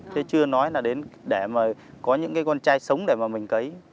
thế chưa nói là đến để mà có những cái con trai sống để mà mình cấy